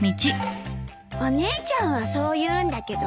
お姉ちゃんはそう言うんだけどね。